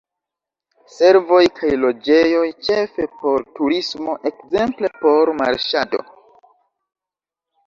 Servoj kaj loĝejoj, ĉefe por turismo, ekzemple por marŝado.